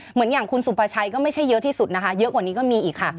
เหมือนอย่างคุณสุภาชัยก็ไม่ใช่เยอะที่สุดนะคะเยอะกว่านี้ก็มีอีกค่ะ